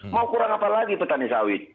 mau kurang apa lagi petani sawit